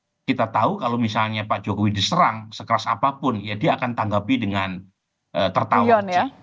karena kita tahu kalau misalnya pak jokowi diserang sekeras apapun ya dia akan tanggapi dengan tertawa saja